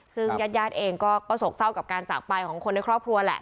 ซึ่งญาติญาติเองก็โศกเศร้ากับการจากไปของคนในครอบครัวแหละ